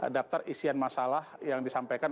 daftar isian masalah yang disampaikan